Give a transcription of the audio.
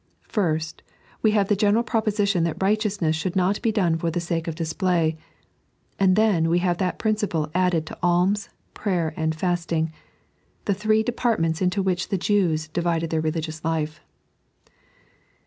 First, we have the gener^ proposition that righteousness should not be done for the sake of display ; and then we have that principle applied to alms, prayer, and fasting — the three departments into which the Jews divided their religious life.